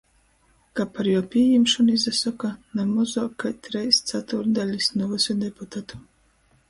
Ka par juo pījimšonu izasoka na mozuok kai treis catūrtdalis nu vysu deputatu.